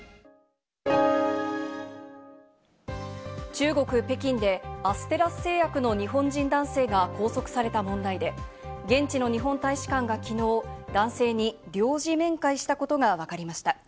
中国・北京でアステラス製薬の日本人男性が拘束された問題で、現地の日本大使館が昨日、男性に領事面会したことがわかりました。